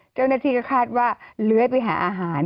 เจ้าหน้าที่ก็คาดว่าเลื้อยไปหาอาหาร